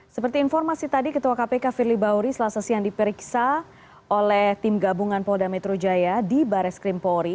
seperti informasi tadi ketua kpk firly bahuri selasa siang diperiksa oleh tim gabungan polda metro jaya di bares krimpori